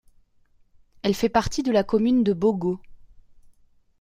Elle fait partie de la commune de Bogo.